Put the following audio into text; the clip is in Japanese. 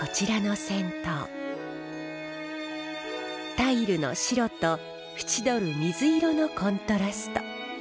タイルの白と縁取る水色のコントラスト。